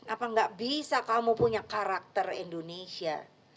apa nggak bisa kamu punya karakter indonesia